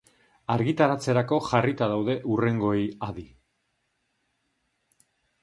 Argitaratzerako jarrita daude hurrengoei adi.